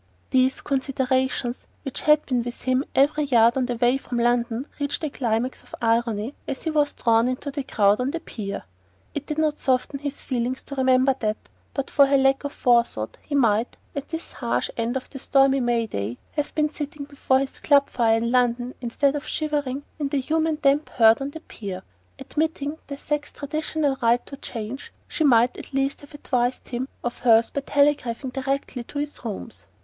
These considerations, which had been with him every yard of the way from London, reached a climax of irony as he was drawn into the crowd on the pier. It did not soften his feelings to remember that, but for her lack of forethought, he might, at this harsh end of the stormy May day, have been sitting before his club fire in London instead of shivering in the damp human herd on the pier. Admitting the sex's traditional right to change, she might at least have advised him of hers by telegraphing directly to his rooms.